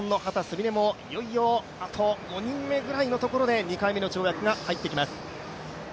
美鈴もいよいよあと５人目ぐらいのところで、２回目の跳躍が入ってきます。